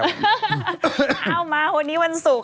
เอามาวันนี้วันศุกร์